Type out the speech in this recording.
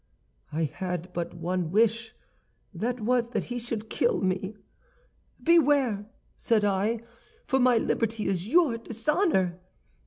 "I had but one wish; that was that he should kill me. "'Beware!' said I, 'for my liberty is your dishonor.